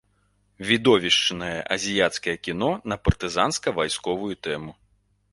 Відовішчнае азіяцкае кіно на партызанска-вайсковую тэму.